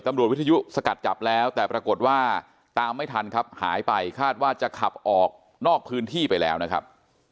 วิทยุสกัดจับแล้วแต่ปรากฏว่าตามไม่ทันครับหายไปคาดว่าจะขับออกนอกพื้นที่ไปแล้วนะครับ